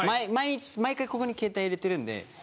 毎回ここに携帯入れてるんで。